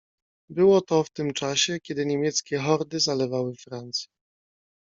"Było to w tym czasie, kiedy niemieckie hordy zalewały Francję."